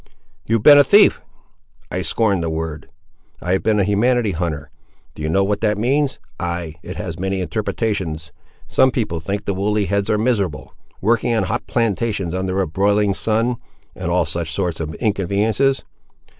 "You have been a thief." "I scorn the word. I have been a humanity hunter. Do you know what that means? Ay, it has many interpretations. Some people think the woolly heads are miserable, working on hot plantations under a broiling sun—and all such sorts of inconveniences.